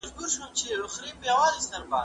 ما چي ول بالا به زه ګټه وکړم باره تاواني سوم